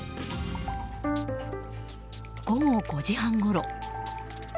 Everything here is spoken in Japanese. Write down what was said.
午後５時半ごろ。